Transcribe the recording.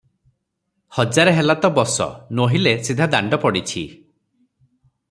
ହଜାରେ ହେଲା ତ ବସ, ନୋହିଲେ, ସିଧା ଦାଣ୍ଡ ପଡ଼ିଛି ।